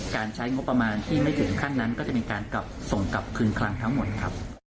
ใช้งบประมาณที่ไม่ถึงขั้นนั้นก็จะมีการกลับส่งกลับคืนคลังทั้งหมดครับ